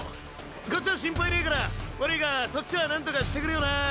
こっちは心配ねぇから悪いがそっちはなんとかしてくれよな。